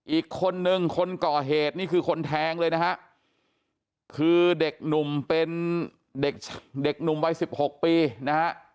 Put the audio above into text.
อีกคนนึงคนก่อเหตุนี่คือคนแทงเลยนะฮะคือเด็กหนุ่มเป็นเด็กเด็กหนุ่มวัย๑๖ปีนะฮะ